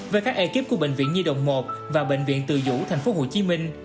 về các ekip của bệnh viện nhi đồng một và bệnh viện từ dũ tp hcm